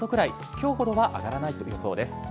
きょうほどは上がらないという予想です。